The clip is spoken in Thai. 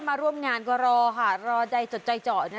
มาร่วมงานก็รอค่ะรอใจจดใจเจาะนะ